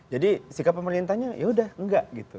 jadi sikap pemerintahnya ya udah enggak gitu